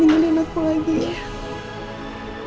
jangan dingin aku lagi ya